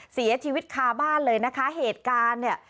เสียชีวิตคาบ้านเลยนะคะเหตุการณ์เนี่ย